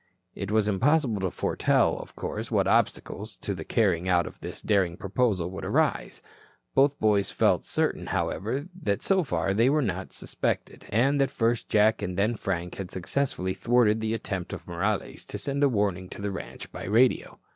It was impossible to foretell, of course, what obstacles to the carrying out of this daring proposal would arise. Both boys felt certain, however, that so far they were not suspected, and that first Jack and then Frank had successfully thwarted the attempt of Morales to send a warning to the ranch by radio.